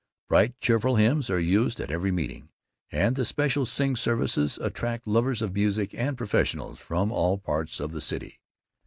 Bright cheerful hymns are used at every meeting, and the special Sing Services attract lovers of music and professionals from all parts of the city.